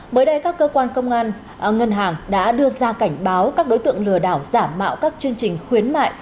mới đây các cơ quan công an ngân hàng đã đưa ra cảnh báo các đối tượng lừa đảo giả mạo các chương trình khuyến mại